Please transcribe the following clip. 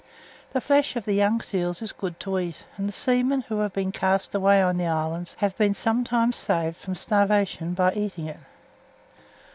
The flesh of the young seals is good to eat, and seamen who have been cast away on the islands have been sometimes saved from starvation by eating it.